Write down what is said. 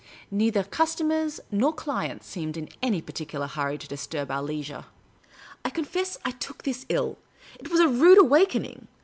Neither cnstomers nor clients seemed in any particular hurry to disturb our leisure. I confess I took this ill. It was a rude awakening.